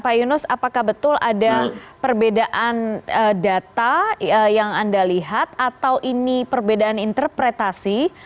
pak yunus apakah betul ada perbedaan data yang anda lihat atau ini perbedaan interpretasi